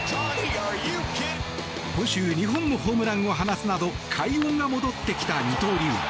今週、２本のホームランを放つなど快音が戻ってきた二刀流。